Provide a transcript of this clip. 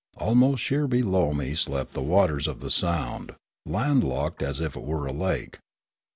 Almost sheer below me slept the waters of the sound, landlocked as if it were a lake.